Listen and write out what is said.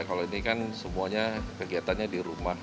kalau ini kan semuanya kegiatannya di rumah